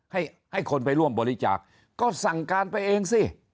ให้ให้คนไปร่วมบริจาคก็สั่งการไปเองสิ